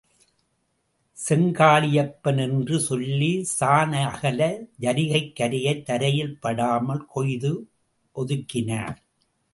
செங்காளியப்பன்! என்று சொல்லி, சாண் அகல ஜரிகை கரையைத் தரையில் படாமல் கொய்து ஒதுக்கினார்.